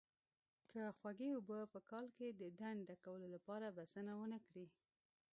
که خوږې اوبه په کال کې د ډنډ ډکولو لپاره بسنه ونه کړي.